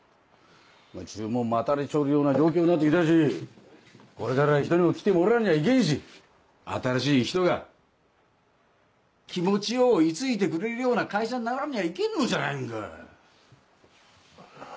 注文待たれちょるような状況になって来たしこれからは人にも来てもらわんにゃいけんし新しい人が気持ち良う居着いてくれるような会社にならんにゃいけんのじゃないんか。